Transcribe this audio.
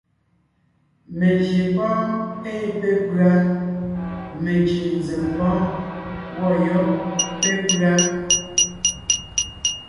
Melyè pɔ́ɔn ée pépʉ́a, mencʉ̀ʼ nzèm pɔ́ɔn gwɔ̂ yɔ́b pépʉ́a.